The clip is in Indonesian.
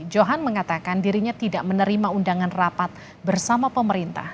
johan mengatakan dirinya tidak menerima undangan rapat bersama pemerintah